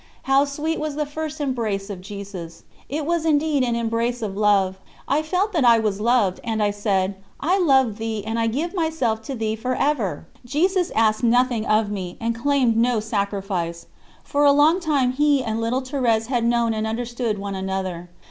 How sweet was the first embrace of Jesus! It was indeed an embrace of love. I felt that I was loved, and I said: "I love Thee, and I give myself to Thee for ever." Jesus asked nothing of me, and claimed no sacrifice; for a long time He and little Thérèse had known and understood one another.